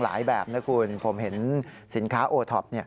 หลายแบบนะคุณผมเห็นศีลคะโอต๊อฟ